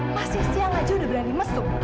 masih siang aja udah berani masuk